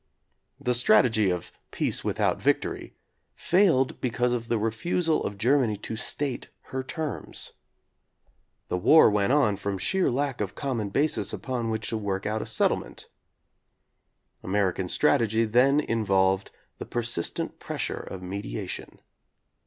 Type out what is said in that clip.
The strategy of "peace without victory" failed because of the refusal of Germany to state her terms. The war went on from sheer lack of a common basis upon which to work out a settle ment. American strategy then involved the per sistent pressure of mediation.